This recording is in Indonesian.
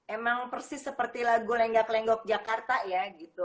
emang persis seperti lagu lenggak lenggok jakarta ya gitu